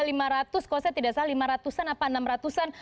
kalau saya tidak salah lima ratus an apa enam ratus an